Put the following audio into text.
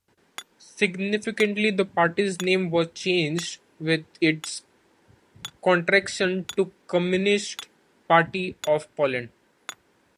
Significantly the Party's name was changed, with its contraction to "Communist Party of Poland".